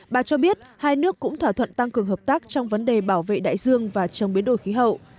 bà cho biết hai nước cũng thỏa thuận tăng cường hợp tác trong vấn đề bảo vệ đại dương và chống biến đổi khí hậu